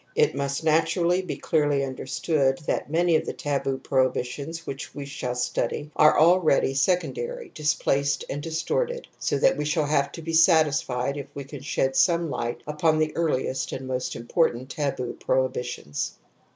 It must naturally be clearly understood that many of the taboo prohibitions which we shaU study are already secondary, displaced and distorted, so that we shall have to be satisfied if we can shed some light upon the earliest and most important taboo prohibitions.